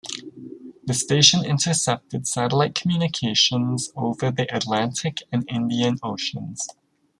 The station intercepted satellite communications over the Atlantic and Indian Oceans.